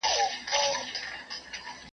پر موسم د ارغوان به مي سفر وي .